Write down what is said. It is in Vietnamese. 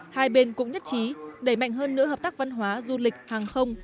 hai bên cũng nhất trí đẩy mạnh hơn nữa hợp tác văn hóa du lịch hàng không